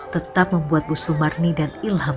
tetap membuat bu sumarni dan ilham